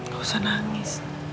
gak usah nangis